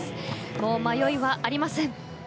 もう迷いはありません。